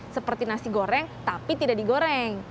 seperti nasi goreng tapi tidak digoreng